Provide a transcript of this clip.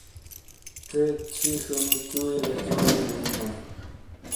چیک چھِیشونی چُوئیے گہ جونجیئے بیئینایئے۔